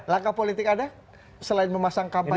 langkah politik anda selain memasang kampanye